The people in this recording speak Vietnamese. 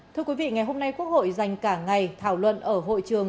thưa quý vị ngày hôm nay quốc hội dành cả ngày thảo luận ở hội trường